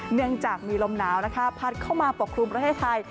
เนื่องจากมีลมหนาวนะคะพัดเข้ามาปกครุมประเทศไทย